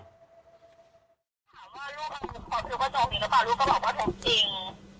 ถามว่าลูกขอพิวประจงหรือเปล่าลูกก็บอกว่าทุกข์จริง